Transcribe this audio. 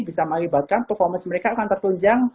bisa mengakibatkan performance mereka akan tertunjang